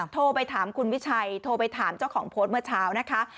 โทรไปถามคุณวิชัยโทรไปถามเจ้าของโพสต์เมื่อเช้านะคะ